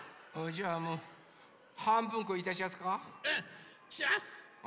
じゃあもうはんぶんこいたしやすか？